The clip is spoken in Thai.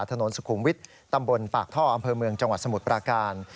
ถนนสุขุมวิทย์ตำบลปากท่ออำเภอเมืองจังหวัดสมุทรปราการ